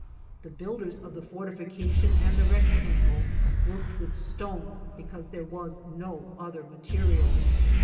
The builders of the fortification and the rectangle worked with stone because there was no other material.